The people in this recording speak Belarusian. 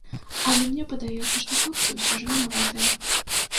Але мне падаецца, што хлопцы ўсё ж вінаватыя.